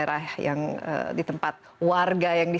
apa yang terjadi di